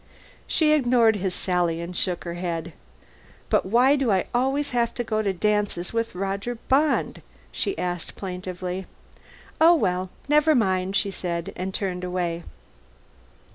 She ignored his sally and shook her head. "But why do I always have to go to dances with Roger Bond?" she asked plaintively. "Oh, well. Never mind," she said, and turned away.